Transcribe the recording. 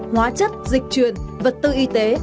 hóa chất dịch truyền vật tư y tế